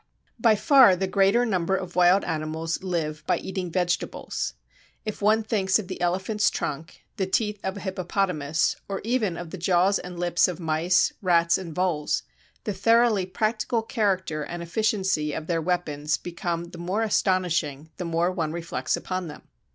By far the greater number of wild animals live by eating vegetables. If one thinks of the elephant's trunk, the teeth of a hippopotamus, or even of the jaws and lips of mice, rats, and voles, the thoroughly practical character and efficiency of their weapons become the more astonishing the more one reflects upon them.